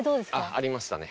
ありましたね